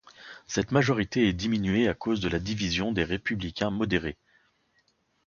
Cette majorité est diminuée à cause de la division des Républicains modérés.